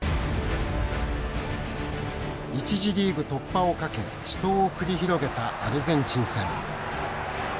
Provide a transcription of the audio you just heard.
１次リーグ突破を懸け死闘を繰り広げたアルゼンチン戦。